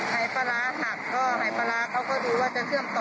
หายปลาร้าหักก็หายปลาร้าเขาก็ดูว่าจะเชื่อมต่อ